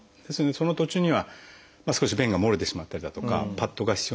その途中には少し便が漏れてしまったりだとかパッドが必要になったり。